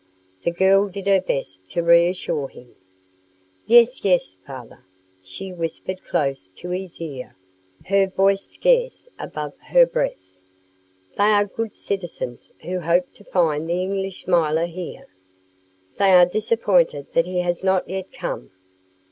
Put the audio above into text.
The girl did her best to reassure him. "Yes, yes, father," she whispered close to his ear, her voice scarce above her breath; "they are good citizens who hoped to find the English milor here. They are disappointed that he has not yet come."